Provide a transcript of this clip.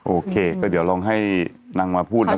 โอเคเดี๋ยวลองให้นางมาพูดแล้วกัน